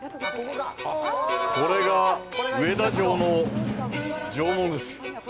これが上田城の城門です。